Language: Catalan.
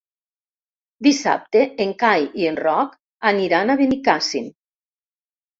Dissabte en Cai i en Roc aniran a Benicàssim.